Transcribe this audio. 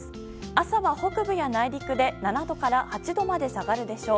朝は北部や内陸で７度から８度まで下がるでしょう。